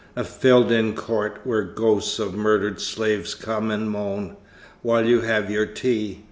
"A filled in court, where ghosts of murdered slaves come and moan, while you have your tea.